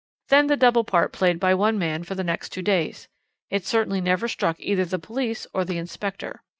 Then the double part played by one man for the next two days. It certainly never struck either the police or the inspector.